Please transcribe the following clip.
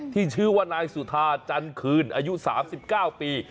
ชื่อว่านายสุธาจันคืนอายุ๓๙ปี